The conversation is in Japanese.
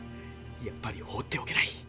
やっぱりほうっておけない。